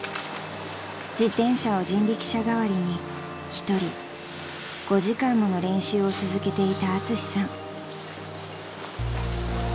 ［自転車を人力車代わりに一人５時間もの練習を続けていたアツシさん］